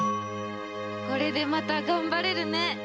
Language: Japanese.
これでまた頑張れるね。